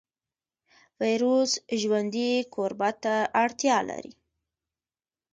ویروس ژوندي کوربه ته اړتیا لري